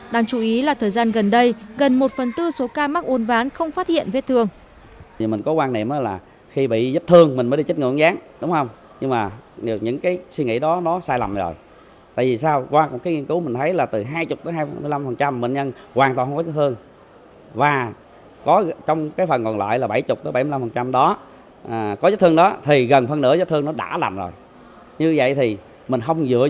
đáng chú ý là thời gian gần đây gần một phần tư số ca mắc uốn ván không phát hiện vết thương